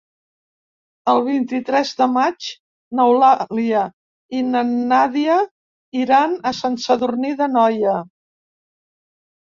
El vint-i-tres de maig n'Eulàlia i na Nàdia iran a Sant Sadurní d'Anoia.